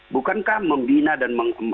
bukankah membina dan mengkonsumsi